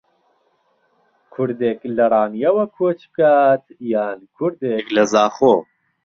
کوردێک لە ڕانیەوە کۆچ بکات یان کوردێک لە زاخۆ